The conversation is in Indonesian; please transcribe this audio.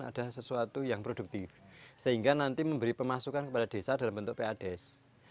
ada sesuatu yang produktif sehingga nanti memberi pemasukan kepada desa dalam bentuk pades